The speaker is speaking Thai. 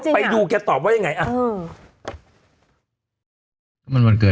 ไปดูแกตอบว่าอย่างไร